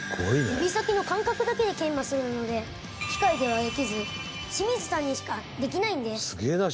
指先の感覚だけで研磨するので機械ではできず清水さんにしかできないんです。